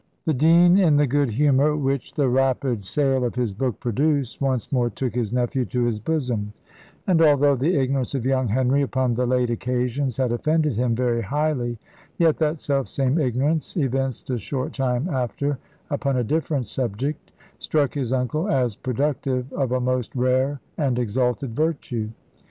The dean, in the good humour which the rapid sale of his book produced, once more took his nephew to his bosom; and although the ignorance of young Henry upon the late occasions had offended him very highly, yet that self same ignorance, evinced a short time after upon a different subject, struck his uncle as productive of a most rare and exalted virtue.